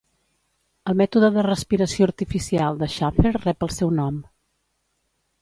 El mètode de respiració artificial de Schafer rep el seu nom.